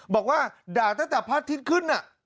บอกว่าด่าตั้งแต่พระอาทิตย์ขึ้น